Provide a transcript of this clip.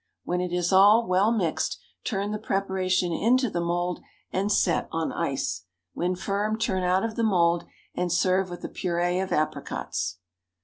When it is all well mixed, turn the preparation into the mould, and set on ice. When firm, turn out of the mould, and serve with a purée of apricots.